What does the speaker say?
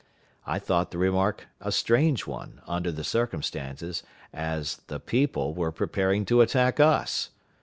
I thought the remark a strange one, under the circumstances, as "the people" were preparing to attack us.